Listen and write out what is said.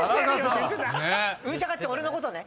ウーチャカって俺のことね。